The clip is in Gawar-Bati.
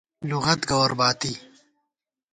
لُغت گوَرباتی